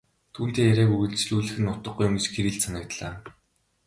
Түүнтэй яриаг үргэжлүүлэх нь утгагүй юм гэж Кириллд санагдлаа.